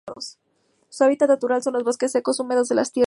Su hábitat natural son los bosques secos y húmedos de tierras bajas.